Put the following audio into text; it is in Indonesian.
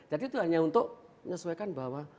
jadi itu hanya untuk menyesuaikan bahwa